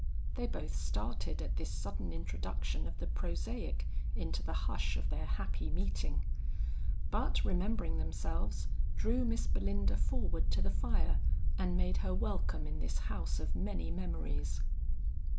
They both started at this sudden introduction of the prosaic into the hush of their happy meeting, but remembering themselves, drew Miss Belinda forward to the fire and made her welcome in this house of many memories.